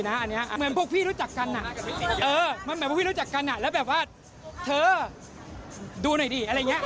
เหมือนพวกพี่รู้จักกันแล้วแบบว่าเธอดูหน่อยดิ